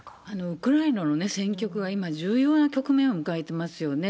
ウクライナの戦局が今、重要な局面を迎えてますよね。